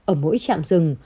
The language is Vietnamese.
ở mỗi trạm rừng